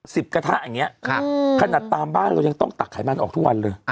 สิบกระทะอย่างนี้ขนาดตามบ้านก็ยังต้องตักขายบ้านออกทุกวันเลย